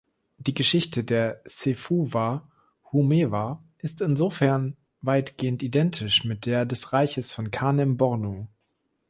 Die Geschichte der Sefuwa-Humewa ist insofern weitgehend identisch mit der des Reiches von Kanem-Bornu.